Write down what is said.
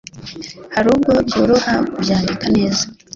Harubwo byoroha kubyandika neza